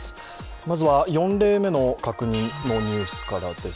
まずは４例目の確認のニュースからです。